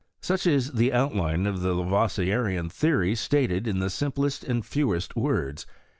Such is the outline of the Lavoisierian theory stated in the simplest and fewest words.